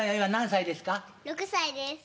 ６歳です。